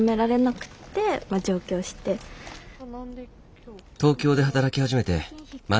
東京で働き始めてまだ２週間。